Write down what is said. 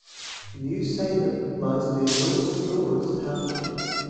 New Salem lies near North Codorus township.